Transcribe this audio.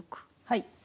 はい。